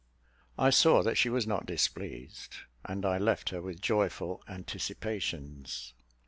I saw that she was not displeased; and I left her with joyful anticipations.